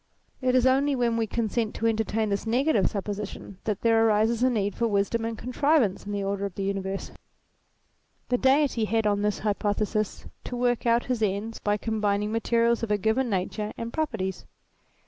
It is only when we consent to entertain this negative supposition that there arises a need for wisdom and contrivance in the order of the universe. The Deity had on this hypothesis to work out his ends by combining materials of a given nature and properties.